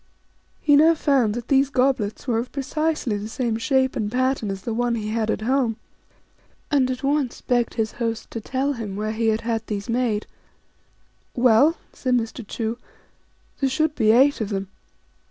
He now found that these goblets were of precisely the same shape and pattern as the one he had at home, and at once begged his host to tell him where he had had these made. " Well," said Mr. Chu, " there should be eight of them.